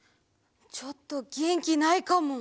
ちょっとげんきないかも。